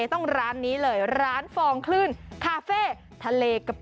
ต้องร้านนี้เลยร้านฟองคลื่นคาเฟ่ทะเลกับ